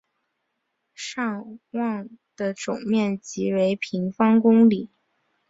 尚旺的总面积为平方公里。